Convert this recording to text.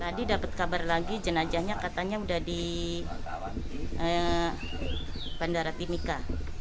tadi dapet kabar lagi jenazahnya katanya udah di bandara timika